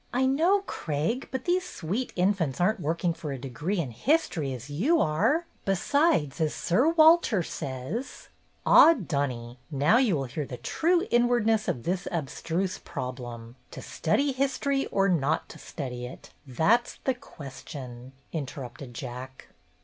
"I know, Craig, but these sweet infants are n't working for a degree in history, as you are. Besides, as Sir Walter says —" "Ah, Dunny, now you will hear the true inwardness of this abstruse problem. To study history, or not to study it, that 's the question," interrupted Jack.